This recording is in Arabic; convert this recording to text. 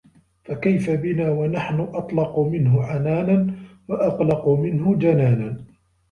فَكَيْفَ بِنَا وَنَحْنُ أَطْلَقُ مِنْهُ عَنَانًا ، وَأَقْلَقُ مِنْهُ جَنَانًا